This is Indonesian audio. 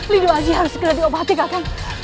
rindu aji harus segera diobati kakak